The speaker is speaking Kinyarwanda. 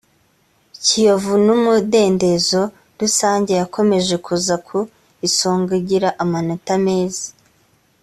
kiyovu n umudendezo rusange yakomeje kuza ku isonga igira amanota meza